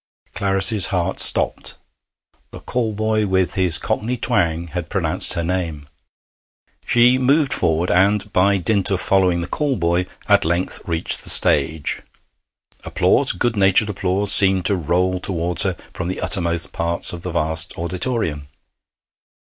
Clarice's heart stopped. The call boy, with his cockney twang, had pronounced her name. She moved forward, and, by dint of following the call boy, at length reached the stage. Applause good natured applause seemed to roll towards her from the uttermost parts of the vast auditorium.